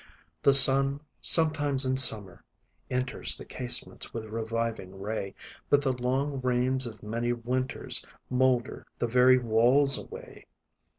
The sun, sometimes in summer, enters The casements, with reviving ray; But the long rains of many winters Moulder the very walls away.